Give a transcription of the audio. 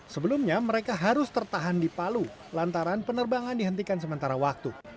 sebelumnya mereka harus tertahan di palu lantaran penerbangan dihentikan sementara waktu